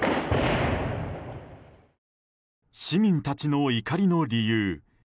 市民たちの怒りの理由。